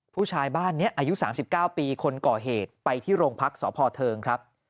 บ้านนี้อายุ๓๙ปีคนก่อเหตุไปที่โรงพักษพเทิงครับ